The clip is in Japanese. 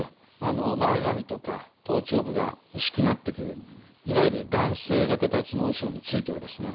前髪とか頭頂部が薄くなってくるいわゆる男性型脱毛症についてはですね